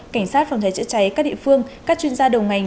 cảnh sát phòng cháy chữa cháy các địa phương các chuyên gia đầu ngành